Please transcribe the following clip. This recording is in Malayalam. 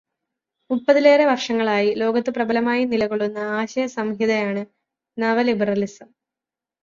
മുപ്പതിലേറെ വർഷങ്ങളായി ലോകത്ത് പ്രബലമായി നിലകൊള്ളുന്ന ആശയസംഹിതയാണ് നവലിബെറലിസം.